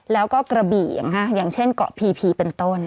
แล้วก็กระบี่อย่างเช่นเกาะพีพีเป็นต้น